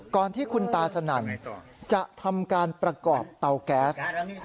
ที่คุณตาสนั่นจะทำการประกอบเตาแก๊ส